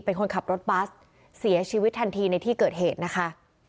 เป็นคนขับรถบัสเสียชีวิตทันทีในที่เกิดเหตุนะคะ